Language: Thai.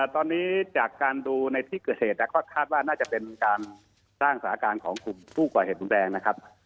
ตอนนี้จากการดูในที่เกิดเหตุก็คาดว่าน่าจะเป็นการสร้างสถานการณ์ของกลุ่มผู้ก่อเหตุรุนแรงนะครับ